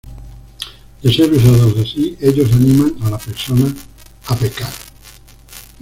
De ser usados así ellos animan a la persona a pecar.